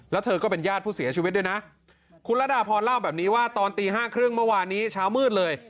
แล้วเธอก็เป็นญาติผู้เสียชีวิตด้วยนะคุณระดาพรเล่าแบบนี้ว่าตอนตีห้าครึ่งเมื่อวานนี้เช้ามืดเลย